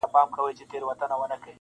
• د پښتنو هر مشر -